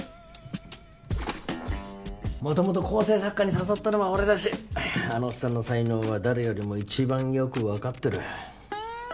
元々構成作家に誘ったのは俺だしあのオッサンの才能は誰よりも一番よくわかってる。